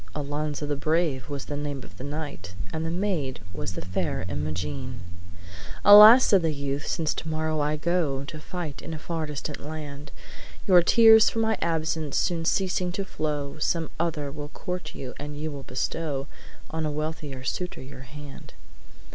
Alonzo the brave was the name of the knight, And the maid was the fair Imogene. "Alas!' said the youth, 'since tomorrow I go To fight in a far distant land, Your tears for my absence soon ceasing to flow, Some other will court you, and you will bestow On a wealthier suitor your hand.'